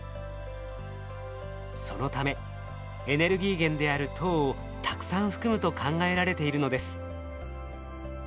そのためエネルギー源である糖をたくさん含むと考えられているのです。